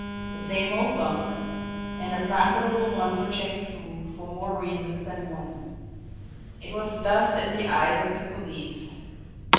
The same old bunk and a profitable one for Chang Foo for more reasons than one. It was dust in the eyes of the police.